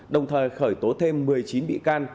đồng thời khởi tố thêm một mươi chín bị can